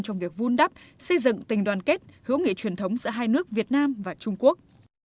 trong việc vun đắp xây dựng tình đoàn kết hữu nghị truyền thống giữa hai nước việt nam và trung quốc